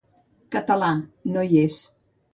Català "no hi es".